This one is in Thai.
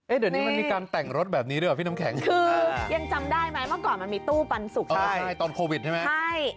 เดี๋ยวนี้มันมีการแต่งรถแบบนี้ด้วยเหรอพี่น้ำแข็งคือยังจำได้ไหมเมื่อก่อนมันมีตู้ปันสุกใช่ตอนโควิดใช่ไหมใช่